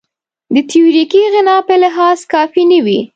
د تیوریکي غنا په لحاظ کافي نه وي.